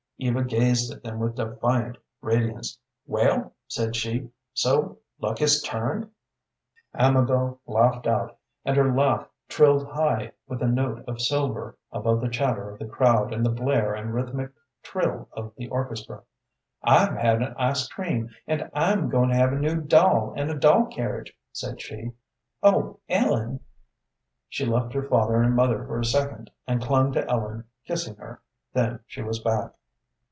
Eva gazed at them with defiant radiance. "Well," said she, "so luck has turned?" Amabel laughed out, and her laugh trilled high with a note of silver, above the chatter of the crowd and the blare and rhythmic trill of the orchestra. "I've had an ice cream, and I'm going to have a new doll and a doll carriage," said she. "Oh, Ellen!" She left her father and mother for a second and clung to Ellen, kissing her; then she was back.